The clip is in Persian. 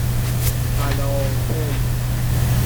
فلافل